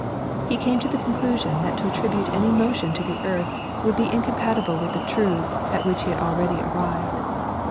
He came to the conclusion that to attribute any motion to the earth would be incompatible with the truths at which he had already arrived.